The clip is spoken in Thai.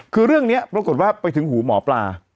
คือเรื่องนี้ปรากฏว่าไปถึงหูหมอปลา